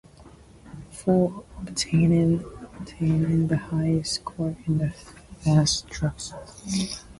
For obtaining the highest score in the Fast Tracks.